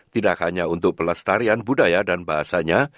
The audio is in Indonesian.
tidak hanya untuk pelestarian budaya dan bahasanya